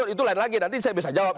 itu lain lagi nanti saya bisa jawab